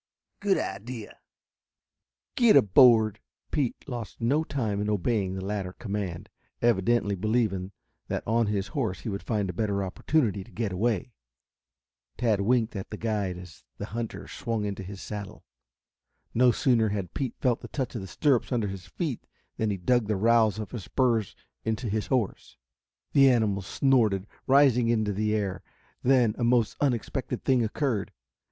"Good idea. Get aboard." Pete lost no time in obeying the latter command, evidently believing that on his horse he would find a better opportunity to get away. Tad winked at the guide as the hunter swung into his saddle. No sooner had Pete felt the touch of the stirrups under his feet than he dug the rowels of his spurs into his horse. The animal snorted, rising into the air. Then a most unexpected thing occurred.